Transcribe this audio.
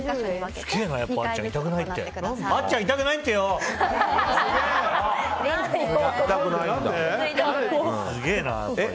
すげえな。